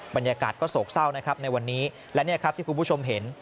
บรรยากาศก็โศกเศร้านะครับในวันนี้และเนี่ยครับที่คุณผู้ชมเห็น